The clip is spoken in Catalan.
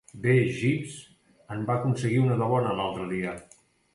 Bé, Jeeves en va aconseguir una de bona, l'altre dia.